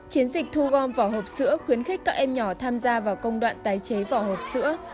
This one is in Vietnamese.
chiến dịch thu gom vỏ hộp sữa khuyến khích các em nhỏ tham gia vào công đoạn tái chế vỏ hộp sữa